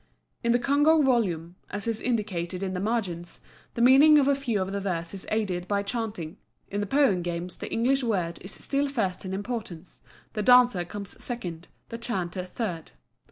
In the Congo volume, as is indicated in the margins, the meaning of a few of the verses is aided by chanting. In the Poem Games the English word is still first in importance, the dancer comes second, the chanter third.